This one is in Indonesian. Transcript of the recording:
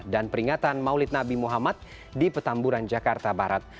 peringatan maulid nabi muhammad di petamburan jakarta barat